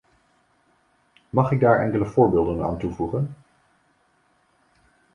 Mag ik daar enkele voorbeelden aan toevoegen?